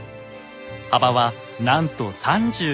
幅はなんと３４ｍ。